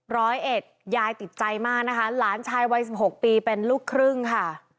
ร้อยเอ็ดยายติดใจมากนะคะหลานชายวัยสิบหกปีเป็นลูกครึ่งค่ะ